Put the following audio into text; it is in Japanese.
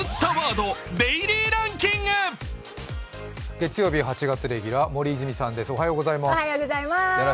月曜日、８月レギュラー森泉さんです。